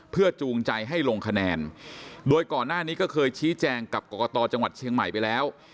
เพื่อจูงใจให้ลงคะแนนโดยก่อนหน้านี้ก็เคยชี้แจงกับกรกตจังหวัดเชียงใหม่ไปแล้ว